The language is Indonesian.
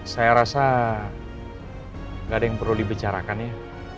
saya rasa nggak ada yang perlu dibicarakan ya